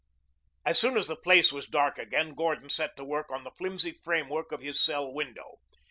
As soon as the place was dark again, Gordon set to work on the flimsy framework of his cell window.